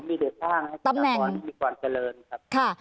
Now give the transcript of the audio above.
ผมมีเดินทางให้สหกรมีความเจริญครับ